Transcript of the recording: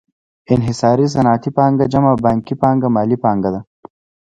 انحصاري صنعتي پانګه جمع بانکي پانګه مالي پانګه ده